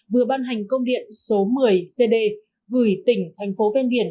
vừa ban hành công điện số một mươi cd gửi tỉnh thành phố ven biển